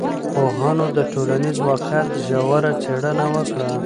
پوهانو د ټولنیز واقعیت ژوره څېړنه وکړه.